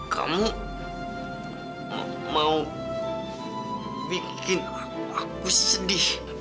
kamu mau bikin aku sedih